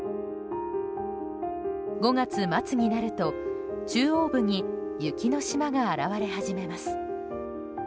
５月末になると中央部に雪の島が現れ始めます。